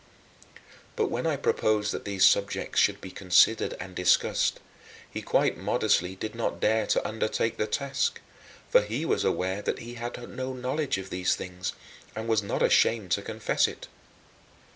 But when I proposed that these subjects should be considered and discussed, he quite modestly did not dare to undertake the task, for he was aware that he had no knowledge of these things and was not ashamed to confess it.